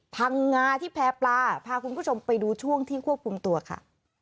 พังงาที่แพร่ปลาพาคุณผู้ชมไปดูช่วงที่ควบคุมตัวค่ะ